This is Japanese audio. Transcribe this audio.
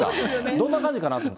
どんな感じかなと思って。